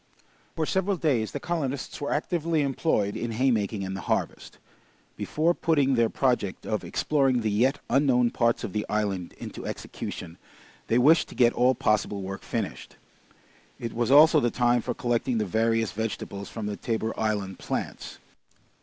For several days the colonists were actively employed in haymaking and the harvest. Before putting their project of exploring the yet unknown parts of the island into execution, they wished to get all possible work finished. It was also the time for collecting the various vegetables from the Tabor Island plants.